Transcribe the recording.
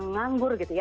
uang nganggur gitu ya